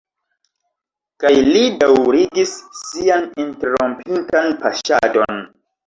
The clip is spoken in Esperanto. Kaj li daŭrigis sian interrompitan paŝadon.